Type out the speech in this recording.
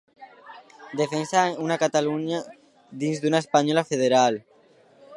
Defensa una Catalunya dins d’una Espanya federal.